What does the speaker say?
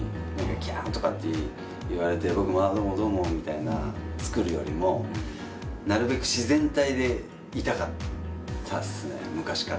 キャーとかって言われて僕もどうも、どうもって作るよりもなるべく自然体でいたかったですね。